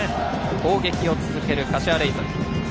攻撃を続ける柏レイソル。